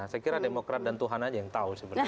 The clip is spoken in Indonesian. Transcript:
saya kira demokrat dan tuhan aja yang tahu sebenarnya